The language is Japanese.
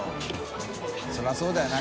修譴そうだよな